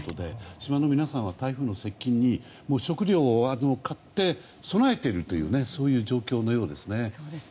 島の皆様は台風の接近に食料を買って備えているという状況のようですね。